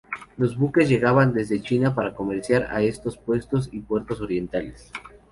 Los buques llegaban desde China para comerciar a estos puestos y puertos orientales.